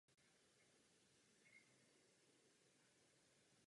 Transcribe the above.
Ve svých dílech proto začala používat jemné barvy Williama Turnera.